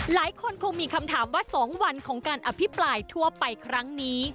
หลายคนคงมีคำถามว่า๒วันของการอภิปรายทั่วไปครั้งนี้